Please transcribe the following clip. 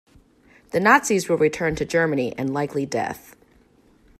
The Nazis will return to Germany and likely death.